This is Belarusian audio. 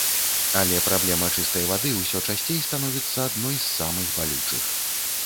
Але праблема чыстай вады ўсё часцей становіцца адной з самых балючых.